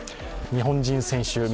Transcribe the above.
日本人選手